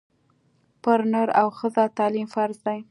پر نر او ښځه تعلیم فرض دی